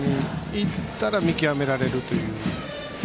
行ったら見極められるという。